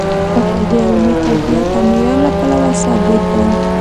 د علمي کیفیت او معیار له پلوه ثابت دی.